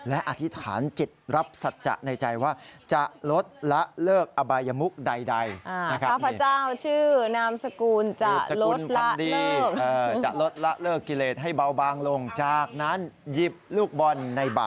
และอธิษฐานจิตรับสัจจะในใจว่าจะลดละเลิกอบายมุกใด